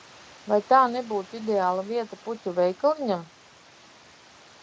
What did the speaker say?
Vai tā nebūtu ideāla vieta puķu veikaliņam?